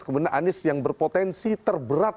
kemudian anies yang berpotensi terberat